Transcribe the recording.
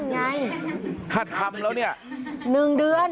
หนึ่งเดือน